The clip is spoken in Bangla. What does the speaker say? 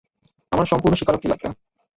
আমার সম্পূর্ণ স্বীকারোক্তি লাগবে।